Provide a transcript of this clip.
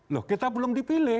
loh kita belum dipilih